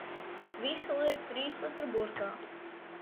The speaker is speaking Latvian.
Visu liek trīslitru burkā.